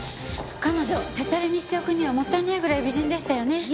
彼女手タレにしておくにはもったいないぐらい美人でしたよね。